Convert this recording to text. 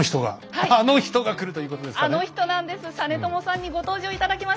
あの人なんです実朝さんにご登場頂き